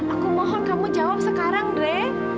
aku mohon kamu jawab sekarang dre